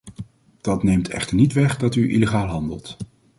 Dat neemt echter niet weg dat u illegaal handelt!